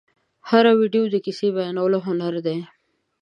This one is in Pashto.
هره ویډیو د کیسې بیانولو هنر دی.